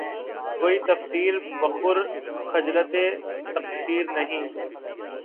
کوئی تقصیر بجُز خجلتِ تقصیر نہیں